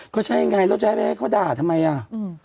ก็ใช่ไงแล้วจะให้เขาด่าทำไมอะ